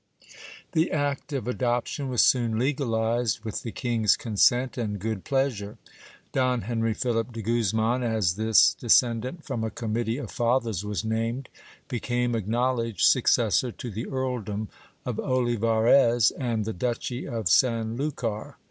j The act of adoption was soon legalized with the king's consent and good ! pleasure. Don Henry Philip de Guzman, as this descendant from a committee : of fathers was named, became acknowledged successor to the earldom of Oli varez and the duchy of San Lucar.